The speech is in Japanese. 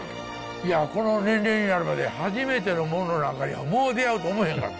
いやこの年齢になるまで初めてのものなんかにはもう出会うと思えへんかった。